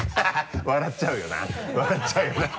笑っちゃうよな笑っちゃうよな。